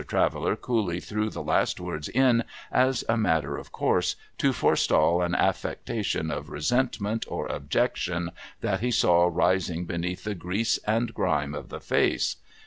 Traveller coolly threw the last words in, as a matter of course, to forestall an affectation of resentment or objection that he saw rising beneath the grease and grime of the face.